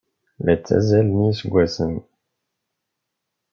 La ttazzalen yiseggasen.